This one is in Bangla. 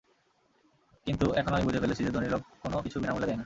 কিন্তু এখন আমি বুঝে ফেলেছি যে ধনী লোক কোনো কিছু বিনামূল্যে দেয় না।